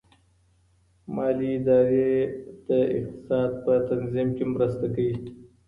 مالي ادارې د اقتصاد په تنظیم کي مرسته کوي.